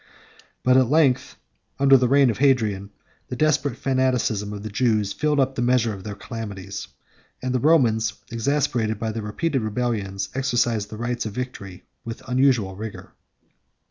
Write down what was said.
But at length, under the reign of Hadrian, the desperate fanaticism of the Jews filled up the measure of their calamities; and the Romans, exasperated by their repeated rebellions, exercised the rights of victory with unusual rigor.